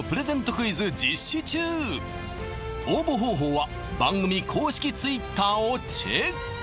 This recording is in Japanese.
クイズ実施中応募方法は番組公式Ｔｗｉｔｔｅｒをチェック！